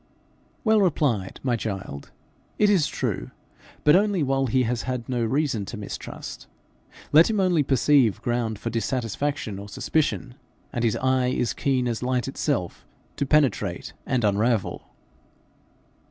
'Well replied, my child! It is true, but only while he has had no reason to mistrust. Let him once perceive ground for dissatisfaction or suspicion, and his eye is keen as light itself to penetrate and unravel.'